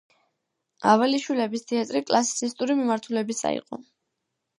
ავალიშვილების თეატრი კლასიცისტური მიმართულებისა იყო.